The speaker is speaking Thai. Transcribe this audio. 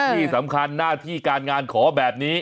ที่สำคัญหน้าที่การงานขอแบบนี้